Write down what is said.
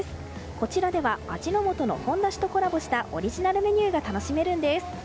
こちらでは味の素のほんだしとコラボしたオリジナルメニュ−が楽しめるんです。